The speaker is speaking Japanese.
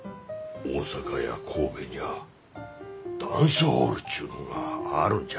大阪や神戸にゃあダンスホールちゅうのんがあるんじゃ。